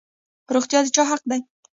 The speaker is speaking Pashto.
روغتیا د چا حق دی؟